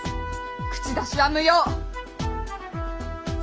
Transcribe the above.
口出しは無用！